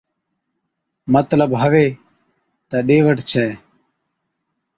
مطلب ھُوي تہ ڏي وٺ ڇَي